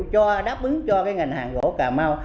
cho đáp ứng cho cái ngành hàng gỗ cà mau